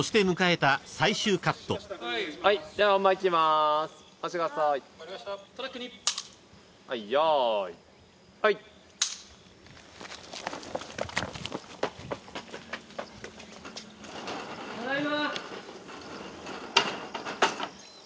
「ただいま」